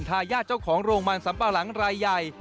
ทายาทเจ้าของโรงมันสัมปะหลังรายใหญ่